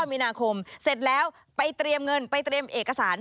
มีนาคมเสร็จแล้วไปเตรียมเงินไปเตรียมเอกสาร